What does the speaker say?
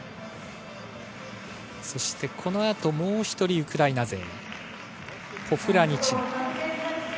そしてこの後もう１人ウクライナ勢、ポフラニチナ。